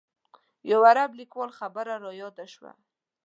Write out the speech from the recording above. یو عرب لیکوال خبره رایاده شوه.